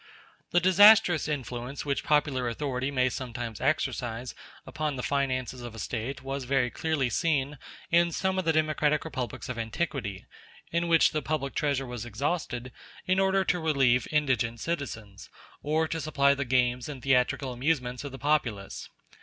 The disastrous influence which popular authority may sometimes exercise upon the finances of a State was very clearly seen in some of the democratic republics of antiquity, in which the public treasure was exhausted in order to relieve indigent citizens, or to supply the games and theatrical amusements of the populace.